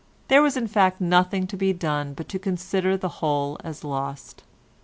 There was in fact nothing to be done but to consider the whole as lost.